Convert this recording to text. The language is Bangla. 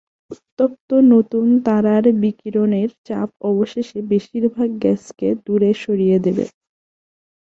উত্তপ্ত নতুন তারার বিকিরণের চাপ অবশেষে বেশিরভাগ গ্যাসকে দূরে সরিয়ে দেবে।